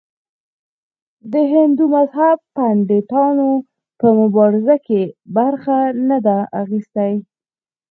د هندو مذهب پنډتانو په مبارزو کې برخه نه ده اخیستې.